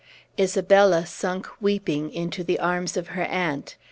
Isabella sunk weeping into the arms of her aunt.